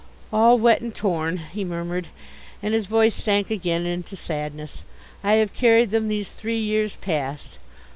"All wet and torn!" he murmured, and his voice sank again into sadness. "I have carried them these three years past.